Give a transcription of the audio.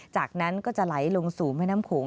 จากนั้นก็จะไหลลงสู่แม่น้ำโขง